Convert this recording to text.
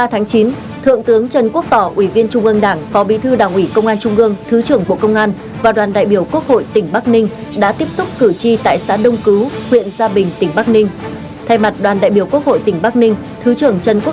hãy đăng ký kênh để ủng hộ kênh của chúng mình nhé